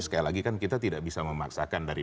sekali lagi kan kita tidak bisa memaksakan dari